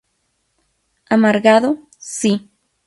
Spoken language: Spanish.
Amargado, sí.